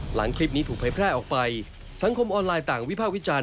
หลังคลิปนี้ถูกเผยแพร่ออกไปสังคมออนไลน์ต่างวิพากษ์วิจารณ์